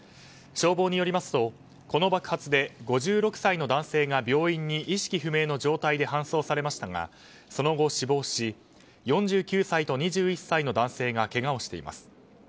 消防によりますとこの爆発で５６歳の男性が病院に意識不明の状態で搬送されましたがその後、死亡し４９歳と２１歳の男性がけがをしています。